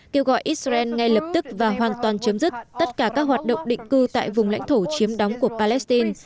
kêu gọi israel ngay lập tức và hoàn toàn chấm dứt tất cả các hoạt động định cư tại vùng lãnh thổ chiếm đóng của palestine